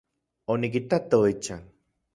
Onikitato ichan.